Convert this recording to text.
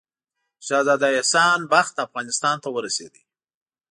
شهزاده احسان بخت افغانستان ته ورسېدی.